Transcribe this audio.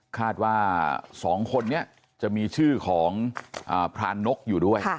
ว่า๒คนนี้จะมีชื่อของพรานนกอยู่ด้วย